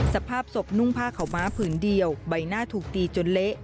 สภาพศพนุ่งผ้าขาวม้าผืนเดียวใบหน้าถูกตีจนเละ